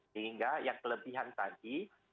sehingga yang kelebihan tadi